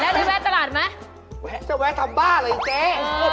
แล้วได้แวะตลาดไหมจะแวะทำบ้าเลยเจ๊